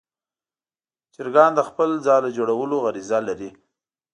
چرګان د خپل ځاله جوړولو غریزه لري.